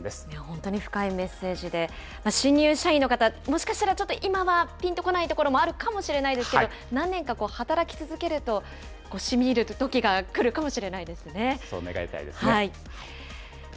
本当に深いメッセージで、新入社員の方、もしかしたらちょっと今はぴんとこないところもあるかもしれないですけど、何年か働き続けると、しみいるときが来るそう願いたいですね。